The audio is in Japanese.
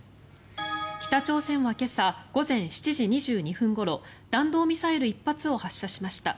北朝鮮は今朝午前７時２２分ごろ弾道ミサイル１発を発射しました。